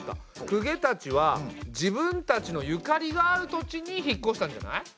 公家たちは自分たちのゆかりがある土地に引っこしたんじゃない？